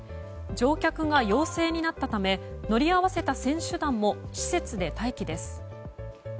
乗客が陽性になったため乗り合わせた選手団も施設で待機です。